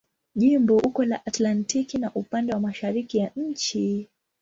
Jimbo uko la Atlantiki na upande wa mashariki ya nchi.